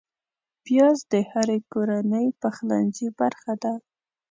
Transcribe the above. پیاز د هرې کورنۍ پخلنځي برخه ده